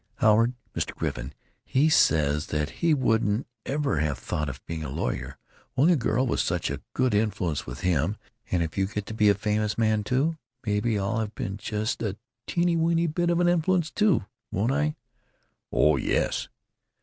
Howard—Mr. Griffin—he says that he wouldn't ever have thought of being a lawyer only a girl was such a good influence with him, and if you get to be a famous man, too, maybe I'll have been just a teeny weeny bit of an influence, too, won't I?" "Oh yes!"